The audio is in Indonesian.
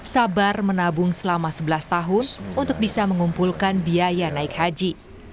sabar menabung selama sebelas tahun untuk bisa mengumpulkan biaya naik haji